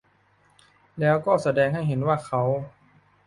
แล้วก็แสดงให้เห็นว่า เขา